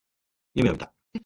夢を見た。